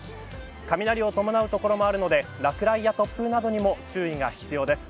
雷を伴う所もあるので落雷や突風などにも注意が必要です。